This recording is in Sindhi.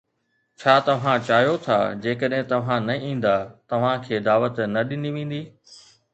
ڇا توهان چاهيو ٿا جيڪڏهن توهان نه ايندا، توهان کي دعوت نه ڏني ويندي